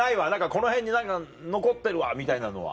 この辺に残ってるわみたいなのは。